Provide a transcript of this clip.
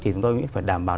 thì chúng ta phải đảm bảo